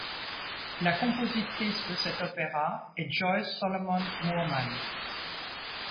La compositrice de cet opéra est Joyce Solomon-Moorman.